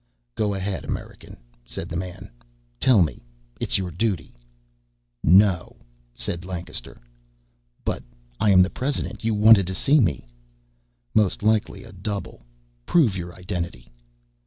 "Go ahead, American," said the man. "Tell me. It's your duty." "No," said Lancaster. "But I am the President. You wanted to see me." "Most likely a double. Prove your identity."